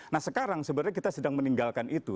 nah sekarang sebenarnya kita sedang meninggalkan itu